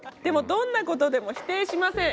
「どんなことでも否定しません！」。